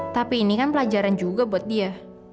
tapi ini kan pelajaran juga buat dia